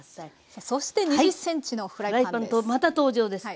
さあそして２０ｃｍのフライパンです。